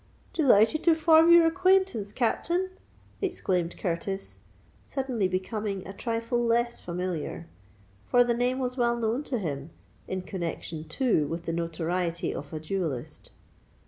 "Delighted to form your acquaintance, Captain!" exclaimed Curtis, suddenly becoming a trifle less familiar,—for the name was well known to him, in connexion too with the notoriety of a duellist.